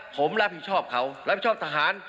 ผมรับผิดชอบเขารับผิดชอบทหาร